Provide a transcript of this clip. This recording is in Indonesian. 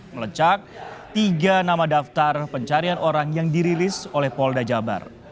melecak tiga nama daftar pencarian orang yang dirilis oleh polda jabar